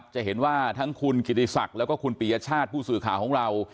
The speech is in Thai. จะเห็นว่าทั้งคุณกิติศักดิ์แล้วก็คุณปียชาติผู้สื่อข่าวของเรา